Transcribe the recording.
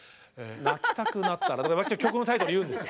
「泣きたくなったら」曲のタイトルを言うんです。